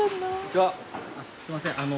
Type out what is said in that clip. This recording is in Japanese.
すいませんあの。